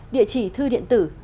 địa chỉ thư điện tử